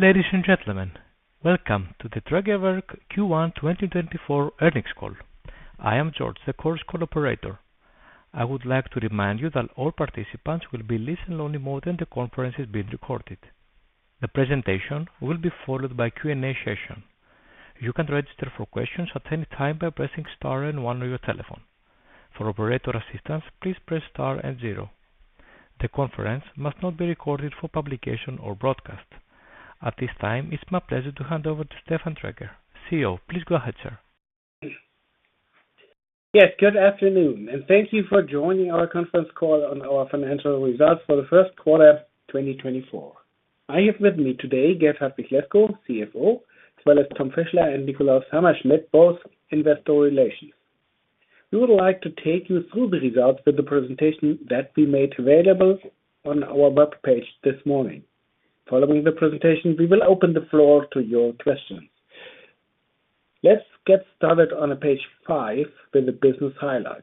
Ladies and gentlemen, welcome to the Drägerwerk Q1 2024 earnings call. I am George, the Chorus Call operator. I would like to remind you that all participants will be in listen-only mode and the conference is being recorded. The presentation will be followed by a Q&A session. You can register for questions at any time by pressing star and one on your telephone. For operator assistance, please press star and zero. The conference must not be recorded for publication or broadcast. At this time, it's my pleasure to hand over to Stefan Dräger. CEO, please go ahead, sir. Yes, good afternoon, and thank you for joining our conference call on our financial results for the first quarter 2024. I have with me today Gert-Hartwig Lescow, CFO, as well as Tom Fischler and Nikolaus Hammerschmidt, both investor relations. We would like to take you through the results with the presentation that we made available on our web page this morning. Following the presentation, we will open the floor to your questions. Let's get started on page 5 with the business highlights.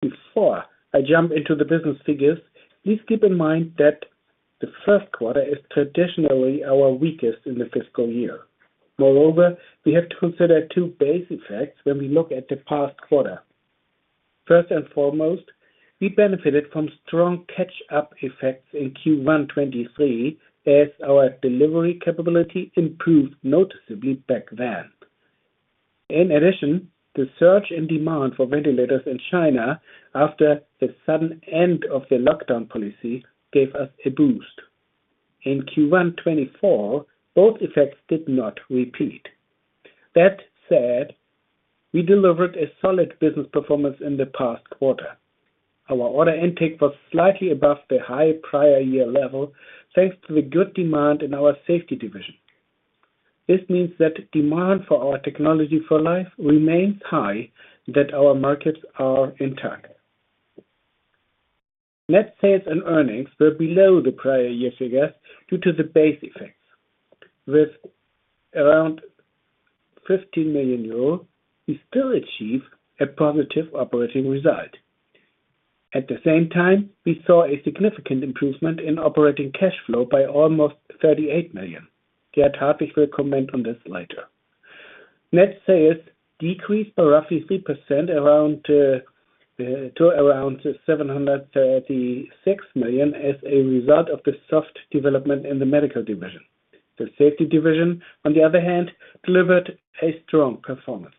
Before I jump into the business figures, please keep in mind that the first quarter is traditionally our weakest in the fiscal year. Moreover, we have to consider two base effects when we look at the past quarter. First and foremost, we benefited from strong catch-up effects in Q1 2023 as our delivery capability improved noticeably back then. In addition, the surge in demand for ventilators in China after the sudden end of the lockdown policy gave us a boost. In Q1 2024, both effects did not repeat. That said, we delivered a solid business performance in the past quarter. Our order intake was slightly above the high prior year level thanks to the good demand in our safety division. This means that demand for our Technology for Life remains high, that our markets are intact. Net sales and earnings were below the prior year figures due to the base effects. With around 15 million euro, we still achieved a positive operating result. At the same time, we saw a significant improvement in operating cash flow by almost 38 million. Gert-Hartwig will comment on this later. Net sales decreased by roughly 3% to around 736 million as a result of the soft development in the medical division. The safety division, on the other hand, delivered a strong performance.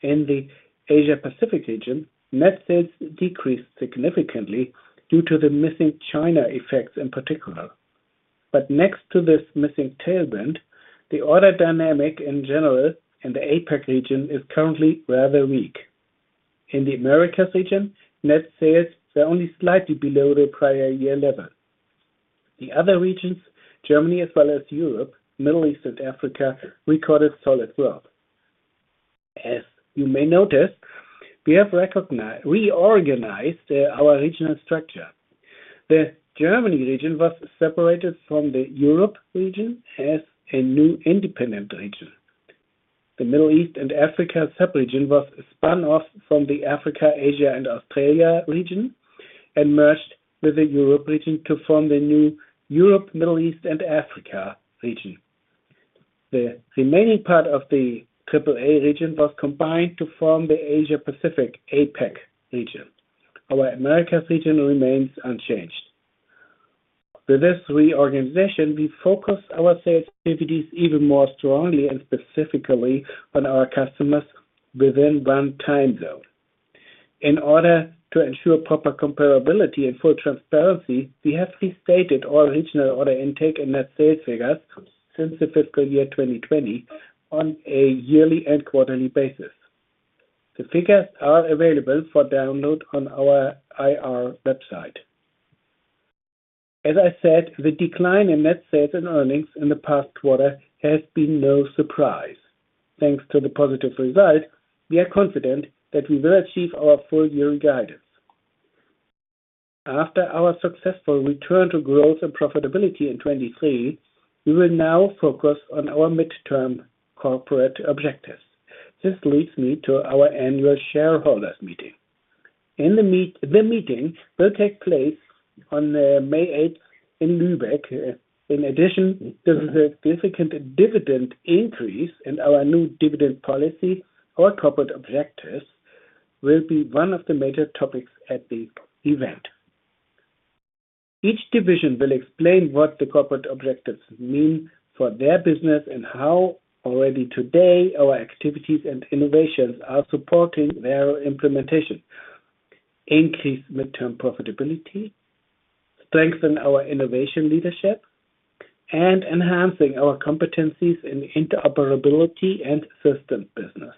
In the Asia-Pacific region, net sales decreased significantly due to the missing China effects in particular. But next to this missing tailwind, the order dynamic in general in the APAC region is currently rather weak. In the Americas region, net sales were only slightly below the prior year level. The other regions, Germany as well as Europe, Middle East, and Africa, recorded solid growth. As you may notice, we have reorganized our regional structure. The Germany region was separated from the Europe region as a new independent region. The Middle East and Africa sub-region was spun off from the Africa, Asia, and Australia region and merged with the Europe region to form the new Europe, Middle East, and Africa region. The remaining part of the AAA region was combined to form the Asia-Pacific APAC region. Our Americas region remains unchanged. With this reorganization, we focus our sales activities even more strongly and specifically on our customers within one time zone. In order to ensure proper comparability and full transparency, we have restated our regional order intake and net sales figures since the fiscal year 2020 on a yearly and quarterly basis. The figures are available for download on our IR website. As I said, the decline in net sales and earnings in the past quarter has been no surprise. Thanks to the positive result, we are confident that we will achieve our full yearly guidance. After our successful return to growth and profitability in 2023, we will now focus on our midterm corporate objectives. This leads me to our annual shareholders meeting. The meeting will take place on May 8th in Lübeck. In addition, the significant dividend increase and our new dividend policy, our corporate objectives, will be one of the major topics at the event. Each division will explain what the corporate objectives mean for their business and how, already today, our activities and innovations are supporting their implementation: increase midterm profitability, strengthen our innovation leadership, and enhancing our competencies in interoperability and system business.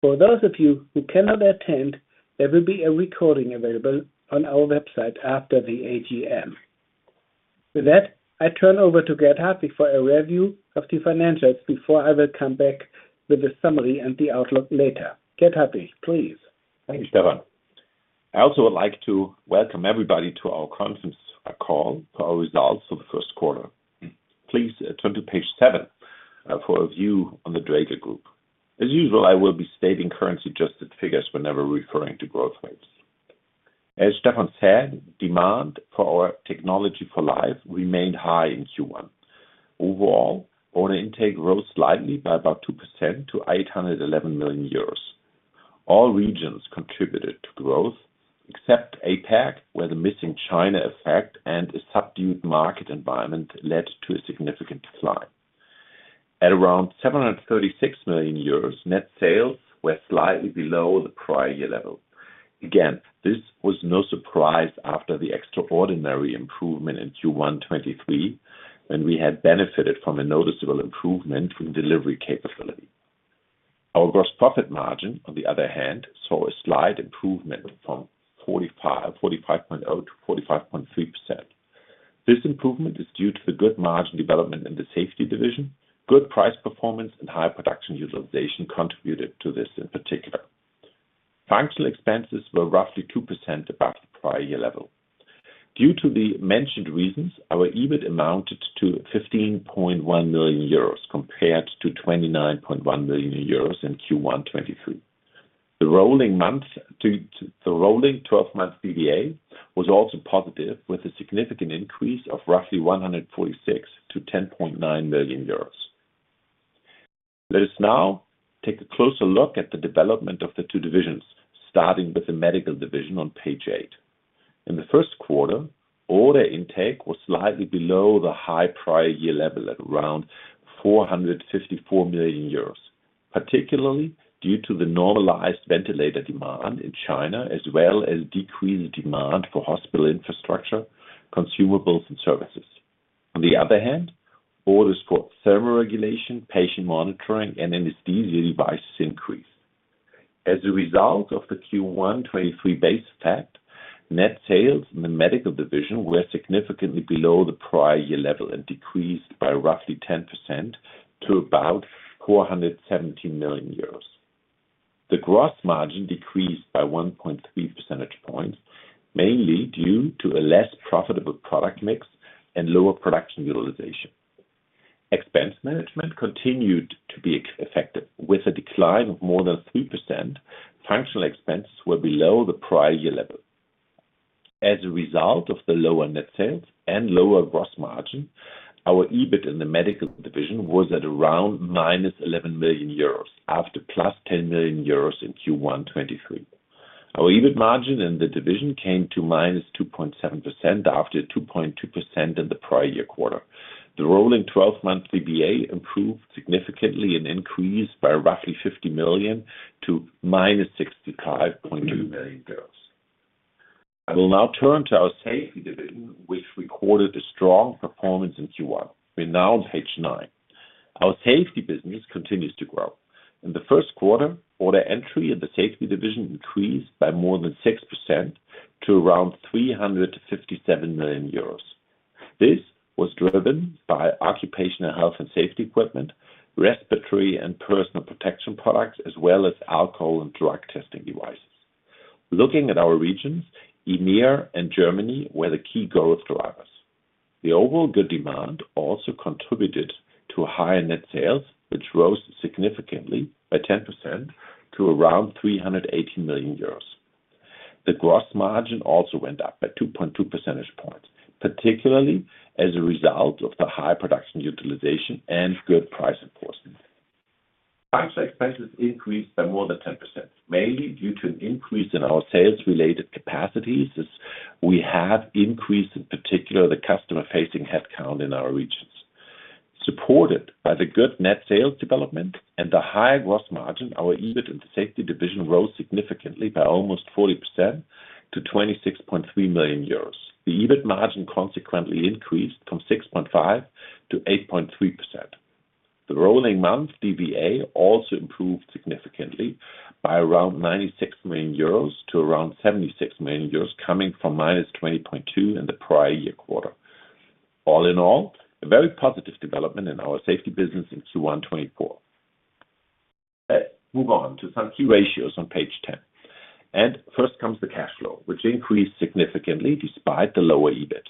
For those of you who cannot attend, there will be a recording available on our website after the AGM. With that, I turn over to Gert-Hartwig for a review of the financials before I will come back with a summary and the outlook later. Gert-Hartwig, please. Thank you, Stefan. I also would like to welcome everybody to our conference call for our results for the first quarter. Please turn to page 7 for a view on the Dräger Group. As usual, I will be stating currency-adjusted figures whenever referring to growth rates. As Stefan said, demand for our technology for life remained high in Q1. Overall, order intake rose slightly by about 2% to 811 million euros. All regions contributed to growth except APAC, where the missing China effect and a subdued market environment led to a significant decline. At around 736 million euros, net sales were slightly below the prior year level. Again, this was no surprise after the extraordinary improvement in Q1 2023 when we had benefited from a noticeable improvement in delivery capability. Our gross profit margin, on the other hand, saw a slight improvement from 45.0%-45.3%. This improvement is due to the good margin development in the safety division. Good price performance and high production utilization contributed to this in particular. Functional expenses were roughly 2% above the prior year level. Due to the mentioned reasons, our EBIT amounted to 15.1 million euros compared to 29.1 million euros in Q1 2023. The rolling 12-month DVA was also positive, with a significant increase of roughly 146 to 10.9 million euros. Let us now take a closer look at the development of the two divisions, starting with the medical division on page 8. In the first quarter, order intake was slightly below the high prior year level at around 454 million euros, particularly due to the normalized ventilator demand in China as well as decreased demand for hospital infrastructure, consumables, and services. On the other hand, orders for thermoregulation, patient monitoring, and anesthesia devices increased. As a result of the Q1 2023 base effect, net sales in the medical division were significantly below the prior year level and decreased by roughly 10% to about 417 million euros. The gross margin decreased by 1.3 percentage points, mainly due to a less profitable product mix and lower production utilization. Expense management continued to be effective. With a decline of more than 3%, functional expenses were below the prior year level. As a result of the lower net sales and lower gross margin, our EBIT in the medical division was at around 11 million euros after 10 million euros in Q1 2023. Our EBIT margin in the division came to -2.7% after 2.2% in the prior year quarter. The rolling 12-month DVA improved significantly and increased by roughly 50 million to -65.2 million. I will now turn to our safety division, which recorded a strong performance in Q1. We're now on page 9. Our safety business continues to grow. In the first quarter, order intake in the safety division increased by more than 6% to around 357 million euros. This was driven by occupational health and safety equipment, respiratory and personal protection products, as well as alcohol and drug testing devices. Looking at our regions, EMEA and Germany were the key growth drivers. The overall good demand also contributed to higher net sales, which rose significantly by 10% to around 318 million euros. The gross margin also went up by 2.2 percentage points, particularly as a result of the high production utilization and good price enforcement. Functional expenses increased by more than 10%, mainly due to an increase in our sales-related capacities as we have increased, in particular, the customer-facing headcount in our regions. Supported by the good net sales development and the high gross margin, our EBIT in the safety division rose significantly by almost 40% to 26.3 million euros. The EBIT margin consequently increased from 6.5%-8.3%. The rolling month DVA also improved significantly by around 96 million euros to around 76 million euros, coming from minus 20.2 million in the prior year quarter. All in all, a very positive development in our safety business in Q1 2024. Let's move on to some key ratios on page 10. First comes the cash flow, which increased significantly despite the lower EBIT.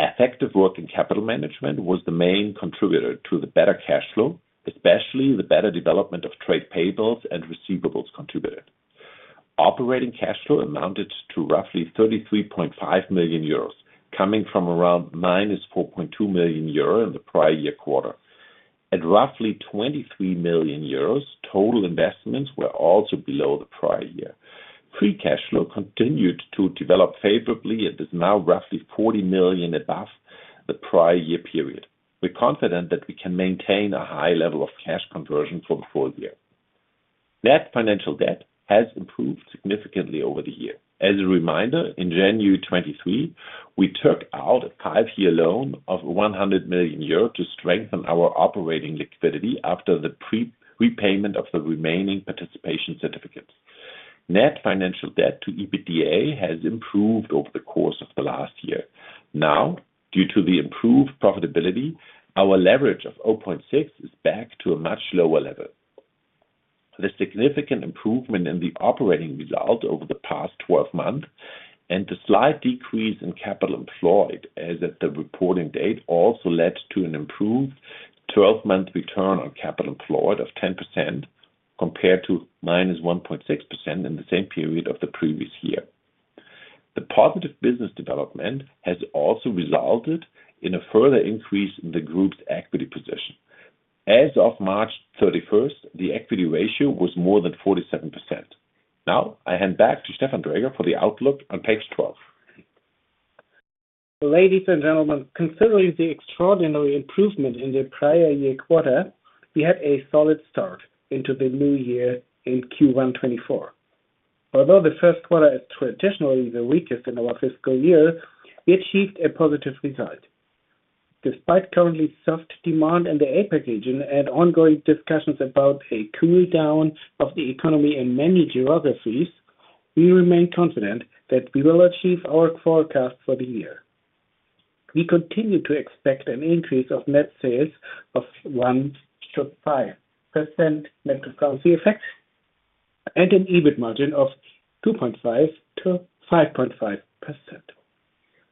Effective working capital management was the main contributor to the better cash flow, especially the better development of trade payables and receivables contributed. Operating cash flow amounted to roughly 33.5 million euros, coming from around minus 4.2 million euro in the prior year quarter. At roughly 23 million euros, total investments were also below the prior year. Free cash flow continued to develop favorably and is now roughly 40 million above the prior year period. We're confident that we can maintain a high level of cash conversion for the full year. Net financial debt has improved significantly over the year. As a reminder, in January 2023, we took out a five-year loan of 100 million euro to strengthen our operating liquidity after the prepayment of the remaining participation certificates. Net financial debt to EBITDA has improved over the course of the last year. Now, due to the improved profitability, our leverage of 0.6% is back to a much lower level. The significant improvement in the operating result over the past 12 months and the slight decrease in capital employed as at the reporting date also led to an improved 12-month return on capital employed of 10% compared to -1.6% in the same period of the previous year. The positive business development has also resulted in a further increase in the group's equity position. As of March 31st, the equity ratio was more than 47%. Now, I hand back to Stefan Dräger for the outlook on page 12. Ladies and gentlemen, considering the extraordinary improvement in the prior year quarter, we had a solid start into the new year in Q1 2024. Although the first quarter is traditionally the weakest in our fiscal year, we achieved a positive result. Despite currently soft demand in the APAC region and ongoing discussions about a cool-down of the economy in many geographies, we remain confident that we will achieve our forecast for the year. We continue to expect an increase of net sales of 1.5% net to currency effect and an EBIT margin of 2.5%-5.5%.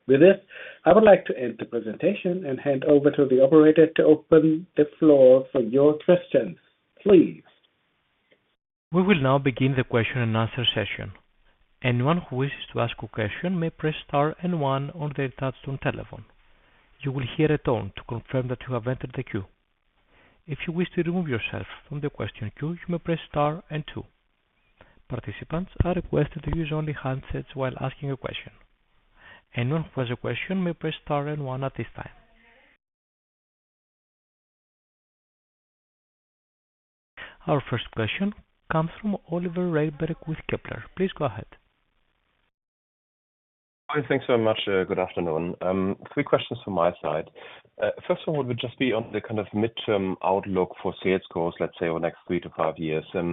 With this, I would like to end the presentation and hand over to the operator to open the floor for your questions, please. We will now begin the question-and-answer session. Anyone who wishes to ask a question may press star and one on their touchscreen telephone. You will hear a tone to confirm that you have entered the queue. If you wish to remove yourself from the question queue, you may press star and two. Participants are requested to use only handsets while asking a question. Anyone who has a question may press star and one at this time. Our first question comes from Oliver Reinberg with Kepler. Please go ahead. Hi, thanks very much. Good afternoon. 3 questions from my side. First one would just be on the kind of midterm outlook for sales goals, let's say, over the next 3-5 years. Can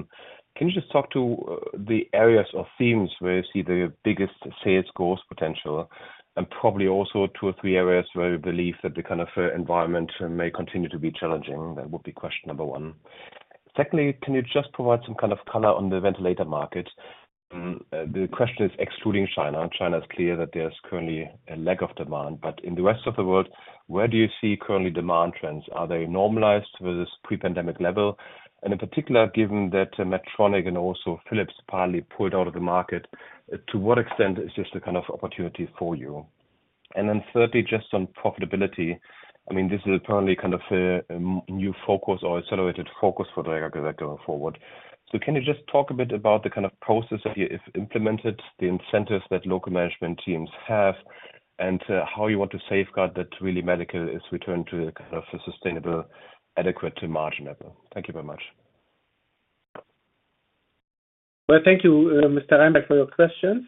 you just talk to the areas or themes where you see the biggest sales goals potential and probably also 2 or 3 areas where you believe that the kind of environment may continue to be challenging? That would be question number 1. Secondly, can you just provide some kind of color on the ventilator market? The question is excluding China. China is clear that there's currently a lack of demand. But in the rest of the world, where do you see currently demand trends? Are they normalized versus pre-pandemic level? And in particular, given that Medtronic and also Philips also pulled out of the market, to what extent is this the kind of opportunity for you? And then thirdly, just on profitability, I mean, this is apparently kind of a new focus or accelerated focus for Dräger going forward. So can you just talk a bit about the kind of process that you have implemented, the incentives that local management teams have, and how you want to safeguard that the Medical is returned to the kind of sustainable, adequate margin level? Thank you very much. Well, thank you, Mr. Reinberg, for your questions.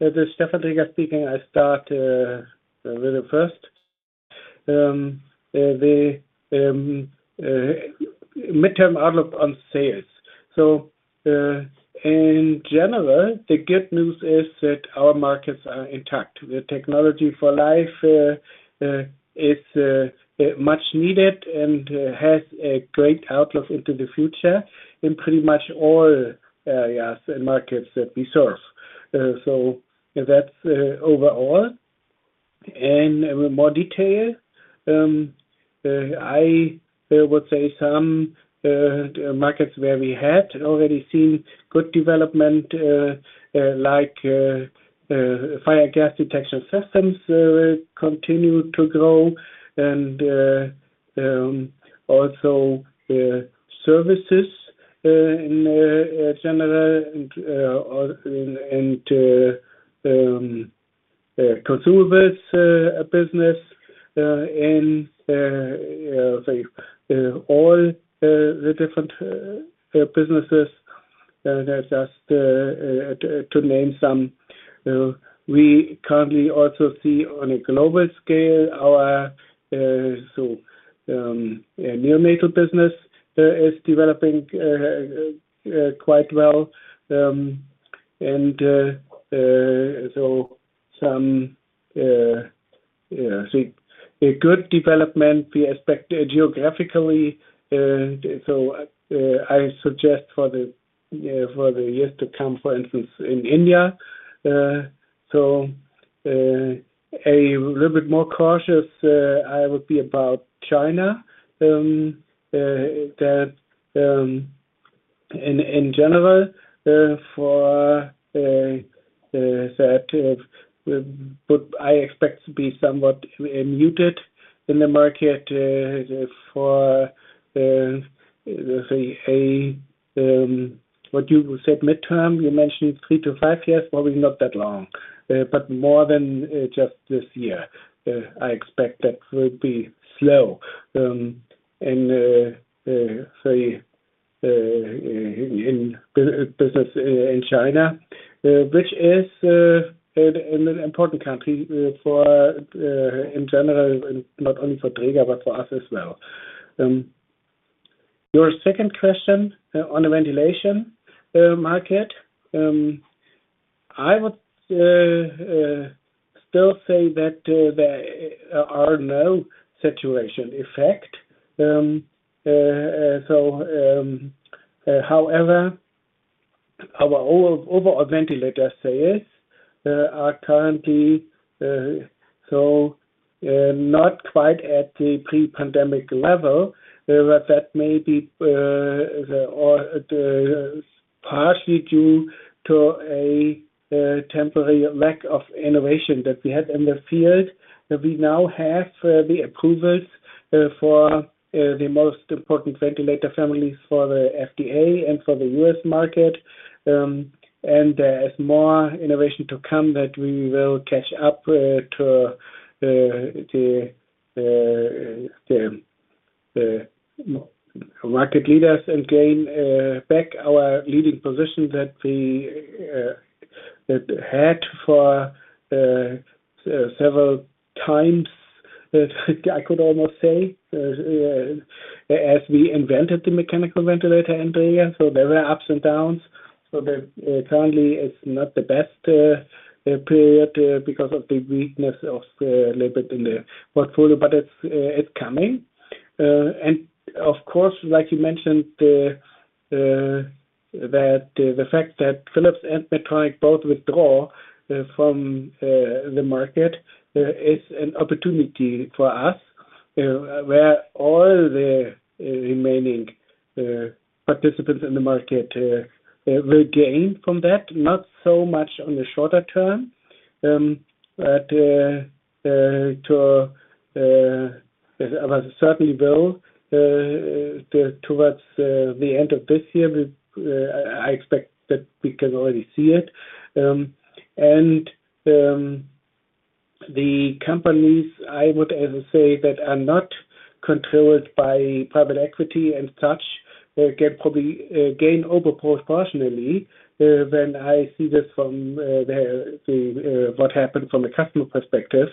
With Stefan Dräger speaking, I start with the first. The midterm outlook on sales. So in general, the good news is that our markets are intact. The Technology for Life is much needed and has a great outlook into the future in pretty much all areas and markets that we serve. So that's overall. And in more detail, I would say some markets where we had already seen good development, like fire gas detection systems, continue to grow, and also services in general and consumables business in all the different businesses. And just to name some, we currently also see on a global scale, our neonatal business is developing quite well. And so some good development we expect geographically. So I suggest for the years to come, for instance, in India, so a little bit more cautious, I would be about China. In general, that would I expect to be somewhat muted in the market for what you said midterm. You mentioned 3-5 years. Probably not that long. But more than just this year, I expect that would be slow in business in China, which is an important country in general, not only for Dräger but for us as well. Your second question on the ventilation market, I would still say that there are no saturation effects. So however, our overall ventilator sales are currently so not quite at the pre-pandemic level, but that may be partially due to a temporary lack of innovation that we had in the field. We now have the approvals for the most important ventilator families for the FDA and for the US market. There is more innovation to come that we will catch up to the market leaders and gain back our leading position that we had for several times, I could almost say, as we invented the mechanical ventilator in Dräger. So there were ups and downs. Currently, it's not the best period because of the weakness of a little bit in the portfolio, but it's coming. Of course, like you mentioned, the fact that Philips and Medtronic both withdraw from the market is an opportunity for us where all the remaining participants in the market will gain from that, not so much on the shorter term, but certainly will towards the end of this year. I expect that we can already see it. The companies, I would also say, that are not controlled by private equity and such can probably gain overproportionately when I see this from what happened from a customer perspective.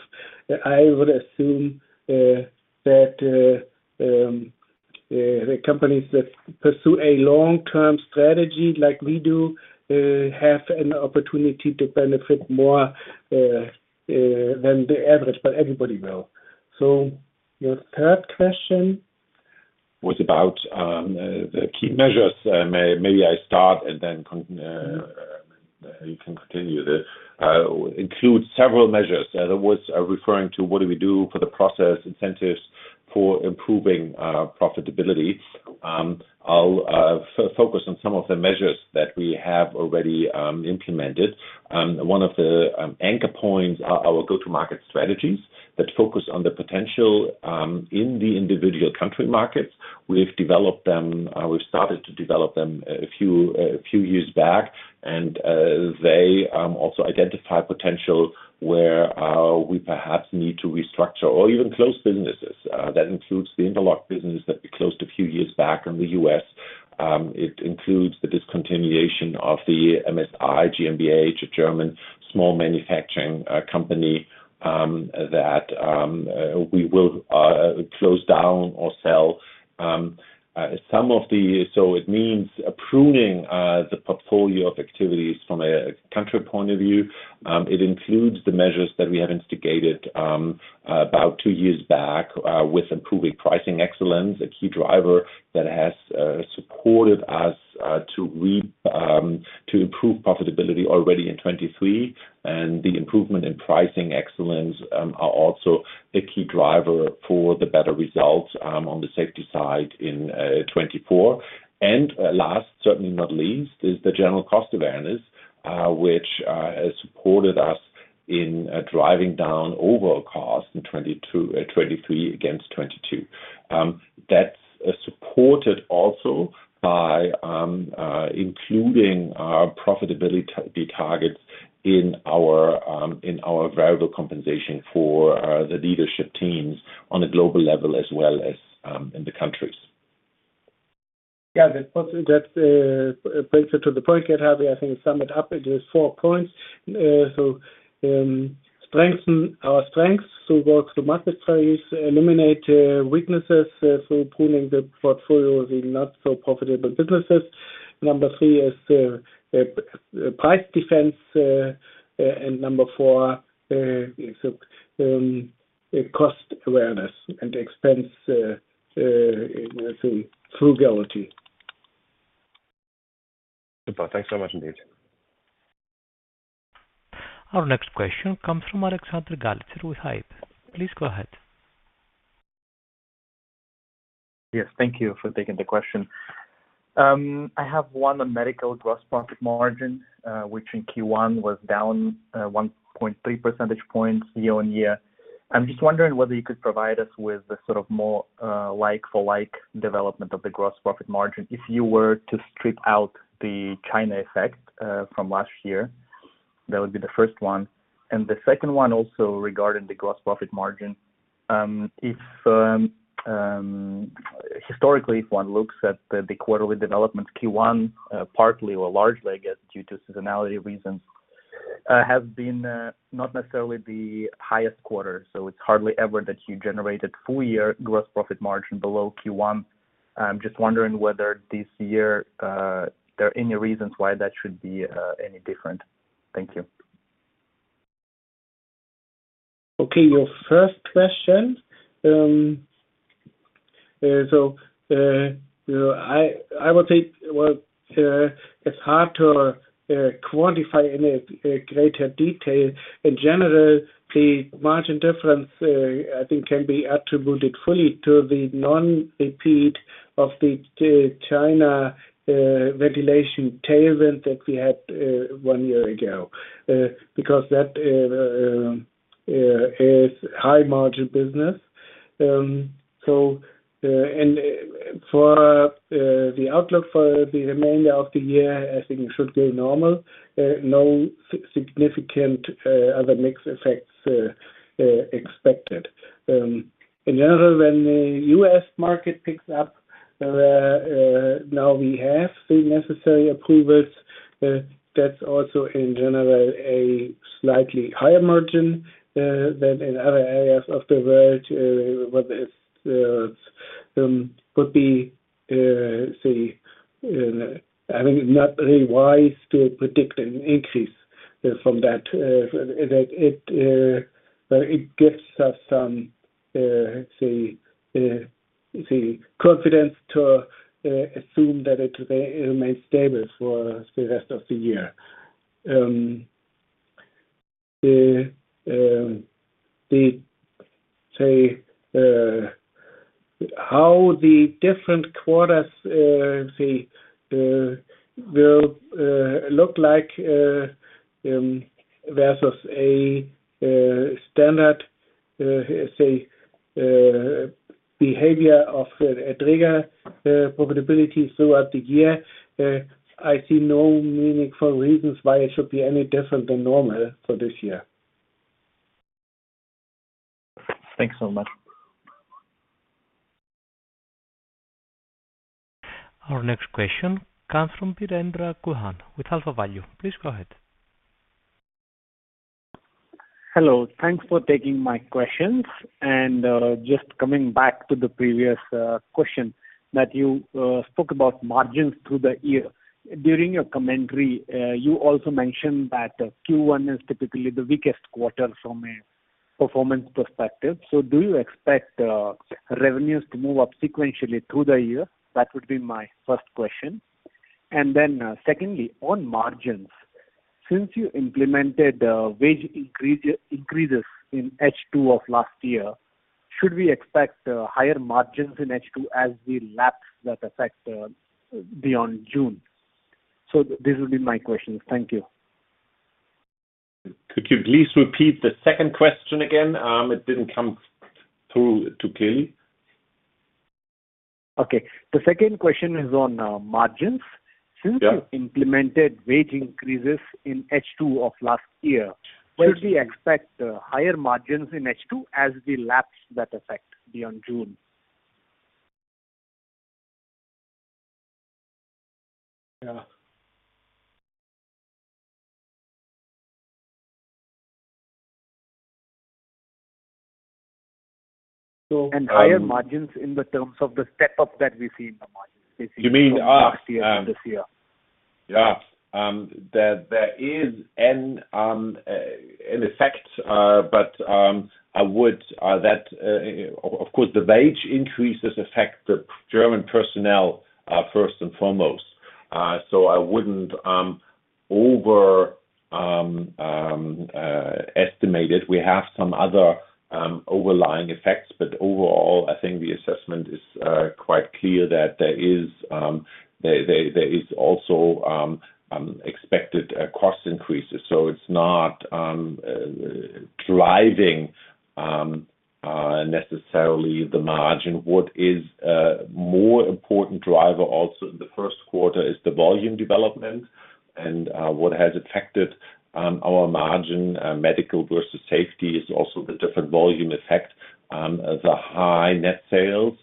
I would assume that the companies that pursue a long-term strategy like we do have an opportunity to benefit more than the average, but everybody will. Your third question. Was about the key measures. Maybe I start and then you can continue. Include several measures. That was referring to what do we do for the process incentives for improving profitability. I'll focus on some of the measures that we have already implemented. One of the anchor points are our go-to-market strategies that focus on the potential in the individual country markets. We've developed them. We've started to develop them a few years back. And they also identify potential where we perhaps need to restructure or even close businesses. That includes the Interlock business that we closed a few years back in the U.S. It includes the discontinuation of the MSI GmbH, a German small manufacturing company that we will close down or sell. So it means pruning the portfolio of activities from a country point of view. It includes the measures that we have instigated about 2 years back with improving pricing excellence, a key driver that has supported us to improve profitability already in 2023. The improvement in pricing excellence are also a key driver for the better results on the safety side in 2024. Last, certainly not least, is the general cost awareness, which has supported us in driving down overall costs in 2023 against 2022. That's supported also by including profitability targets in our variable compensation for the leadership teams on a global level as well as in the countries. Yeah, that brings you to the point, Gert-Hartwig. I think you summed it up. It is four points. So strengthen our strengths through work-to-market strategies, eliminate weaknesses through pruning the portfolio of the not-so-profitable businesses. Number three is price defense. And number four is cost awareness and expense frugality. Super. Thanks very much, indeed. Our next question comes from Alexander Galitsa with Hauck Aufhäuser Investment Banking. Please go ahead. Yes, thank you for taking the question. I have one on medical gross profit margin, which in Q1 was down 1.3 percentage points year-on-year. I'm just wondering whether you could provide us with the sort of more like-for-like development of the gross profit margin if you were to strip out the China effect from last year. That would be the first one. And the second one also regarding the gross profit margin, historically, if one looks at the quarterly developments, Q1, partly or largely, I guess, due to seasonality reasons, has been not necessarily the highest quarter. So it's hardly ever that you generated full-year gross profit margin below Q1. I'm just wondering whether this year, there are any reasons why that should be any different. Thank you. Okay, your first question. So I would say, well, it's hard to quantify in greater detail. In general, the margin difference, I think, can be attributed fully to the non-repeat of the China ventilation tailwind that we had one year ago because that is high-margin business. And for the outlook for the remainder of the year, I think it should go normal. No significant other mixed effects expected. In general, when the U.S. market picks up where now we have the necessary approvals, that's also, in general, a slightly higher margin than in other areas of the world where it would be, I think, not really wise to predict an increase from that. It gives us some confidence to assume that it remains stable for the rest of the year. To say how the different quarters will look like versus a standard, say, behavior of Dräger profitability throughout the year, I see no meaningful reasons why it should be any different than normal for this year. Thanks so much. Our next question comes from Virendra Chauhan with AlphaValue. Please go ahead. Hello. Thanks for taking my questions. Just coming back to the previous question that you spoke about margins through the year, during your commentary, you also mentioned that Q1 is typically the weakest quarter from a performance perspective. So do you expect revenues to move up sequentially through the year? That would be my first question. Then secondly, on margins, since you implemented wage increases in H2 of last year, should we expect higher margins in H2 as we lapse that effect beyond June? So these would be my questions. Thank you. Could you please repeat the second question again? It didn't come through too clearly. Okay. The second question is on margins. Since you implemented wage increases in H2 of last year, should we expect higher margins in H2 as we lapse that effect beyond June? And higher margins in the terms of the step-up that we see in the margins, basically, from last year to this year. Yeah. There is an effect, but I would say that, of course, the wage increases affect the German personnel first and foremost. So I wouldn't overestimate it. We have some other overlying effects. But overall, I think the assessment is quite clear that there is also expected cost increases. So it's not driving necessarily the margin. What is a more important driver also in the first quarter is the volume development. And what has affected our margin, medical versus safety, is also the different volume effect. The high net sales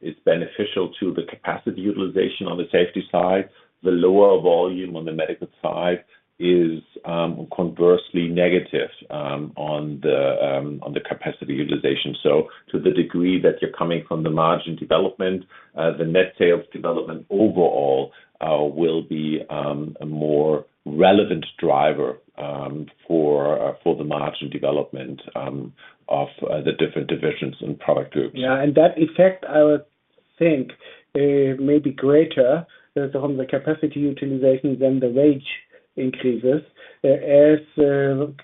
is beneficial to the capacity utilization on the safety side. The lower volume on the medical side is conversely negative on the capacity utilization. So to the degree that you're coming from the margin development, the net sales development overall will be a more relevant driver for the margin development of the different divisions and product groups. Yeah. And that effect, I would think, may be greater from the capacity utilization than the wage increases. As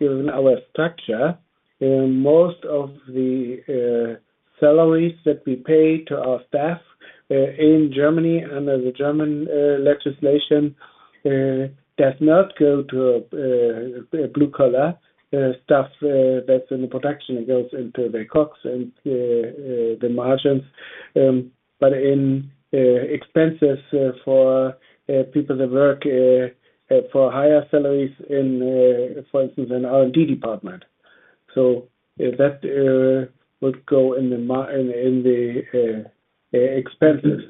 given our structure, most of the salaries that we pay to our staff in Germany under the German legislation does not go to a blue-collar stuff that's in the production; it goes into the COGS and the margins. But in expenses for people that work for higher salaries, for instance, in R&D department, so that would go in the expenses.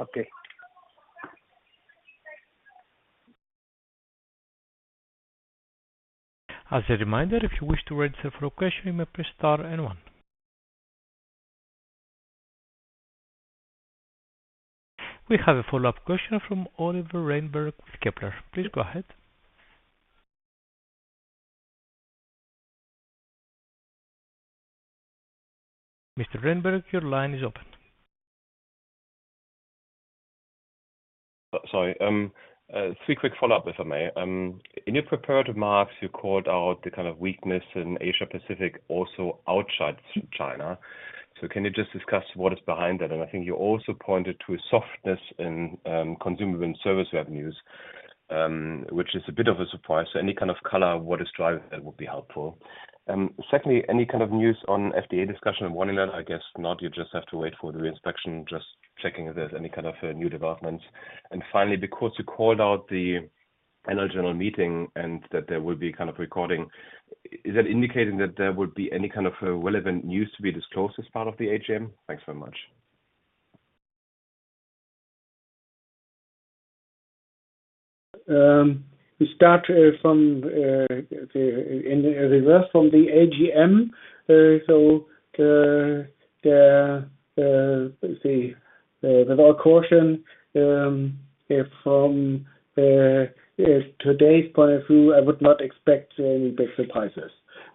Okay. As a reminder, if you wish to register for a question, you may press star and one. We have a follow-up question from Oliver Reinberg with Kepler. Please go ahead. Mr. Reinberg, your line is open. Sorry. Three quick follow-ups if I may. In your preparatory remarks, you called out the kind of weakness in Asia-Pacific, also outside China. So can you just discuss what is behind that? And I think you also pointed to softness in consumer and service revenues, which is a bit of a surprise. So any kind of color, what is driving that, would be helpful. Secondly, any kind of news on FDA discussion and warning letter? I guess not. You just have to wait for the reinspection, just checking if there's any kind of new developments. And finally, because you called out the annual general meeting and that there will be kind of recording, is that indicating that there will be any kind of relevant news to be disclosed as part of the AGM? Thanks very much. We start from the reverse from the AGM. With all caution, from today's point of view, I would not expect any big surprises.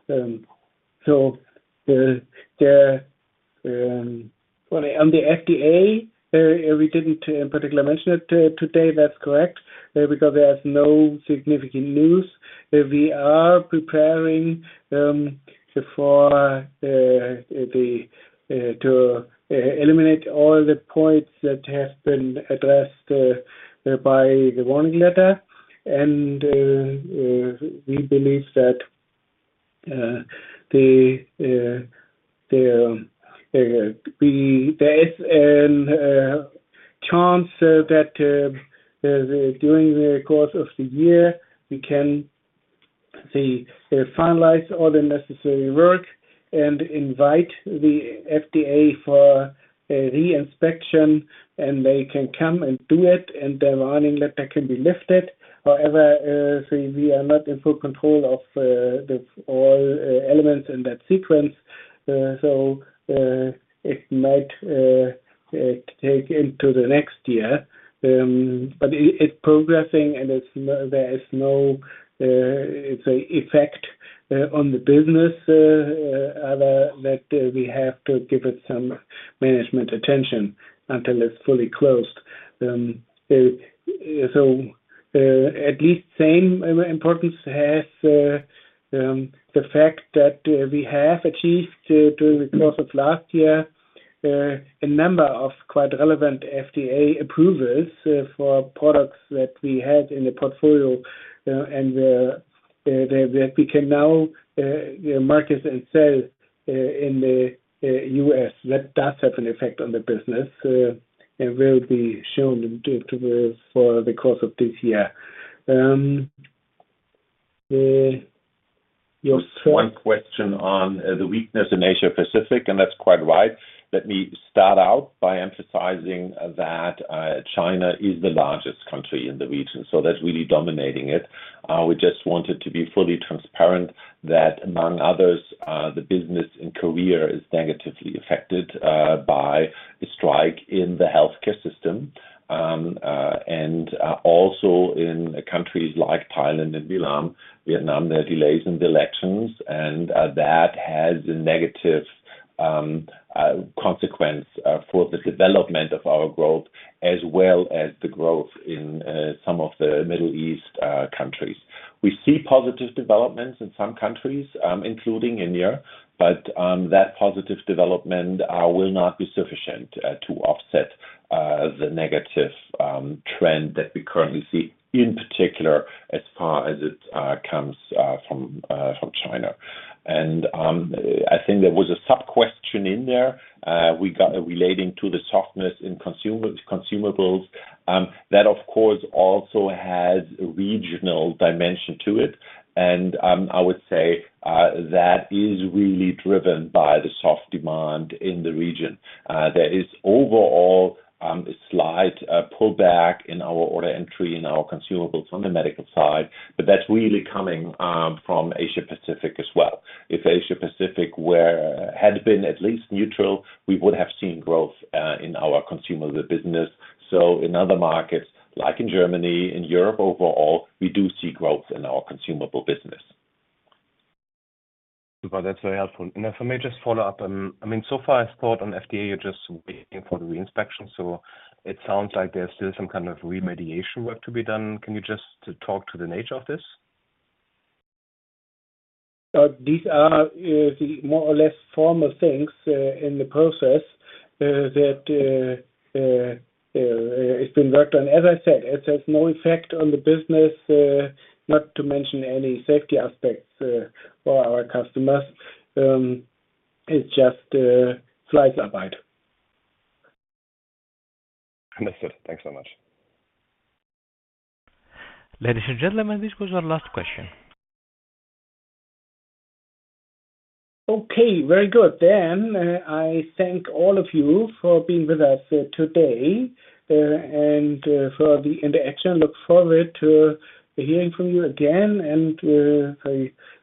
On the FDA, we didn't particularly mention it today. That's correct because there's no significant news. We are preparing to eliminate all the points that have been addressed by the warning letter. We believe that there is a chance that during the course of the year, we can finalize all the necessary work and invite the FDA for reinspection, and they can come and do it, and the warning letter can be lifted. However, we are not in full control of all elements in that sequence. It might take into the next year. It's progressing, and there is no effect on the business other than that we have to give it some management attention until it's fully closed. So at least same importance has the fact that we have achieved during the course of last year a number of quite relevant FDA approvals for products that we had in the portfolio and that we can now market and sell in the U.S. That does have an effect on the business and will be shown for the course of this year. One question on the weakness in Asia-Pacific, and that's quite right. Let me start out by emphasizing that China is the largest country in the region. So that's really dominating it. We just wanted to be fully transparent that, among others, the business in Korea is negatively affected by a strike in the healthcare system. And also in countries like Thailand and Vietnam, there are delays in the elections, and that has a negative consequence for the development of our growth as well as the growth in some of the Middle East countries. We see positive developments in some countries, including India, but that positive development will not be sufficient to offset the negative trend that we currently see, in particular as far as it comes from China. And I think there was a sub-question in there relating to the softness in consumables. That, of course, also has a regional dimension to it. And I would say that is really driven by the soft demand in the region. There is overall a slight pullback in our order entry in our consumables on the medical side, but that's really coming from Asia-Pacific as well. If Asia-Pacific had been at least neutral, we would have seen growth in our consumable business. So in other markets like in Germany, in Europe overall, we do see growth in our consumable business. Super. That's very helpful. And if I may just follow up, I mean, so far I thought on FDA, you're just waiting for the reinspection. So it sounds like there's still some kind of remediation work to be done. Can you just talk to the nature of this? These are more or less formal things in the process that it's been worked on. As I said, it has no effect on the business, not to mention any safety aspects for our customers. It's just an FDA letter. Understood. Thanks so much. Ladies and gentlemen, this was our last question. Okay. Very good. Then I thank all of you for being with us today and for the interaction. Look forward to hearing from you again. And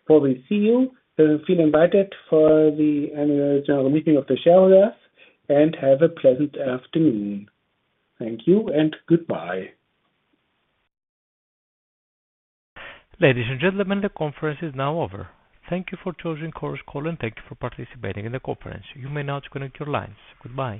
before we see you, feel invited for the annual general meeting of the shareholders and have a pleasant afternoon. Thank you and goodbye. Ladies and gentlemen, the conference is now over. Thank you for choosing Chorus Call, and thank you for participating in the conference. You may now disconnect your lines. Goodbye.